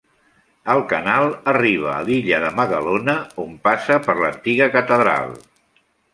El canal arriba a l'illa de Magalona on passa per l'antiga catedral.